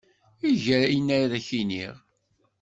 Eg ayen ara ak-inin.